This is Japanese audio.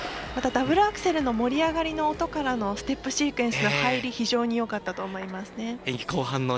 ダブルアクセルの盛り上がりの音からのステップシークエンスの入り、非常によかったと思いますね。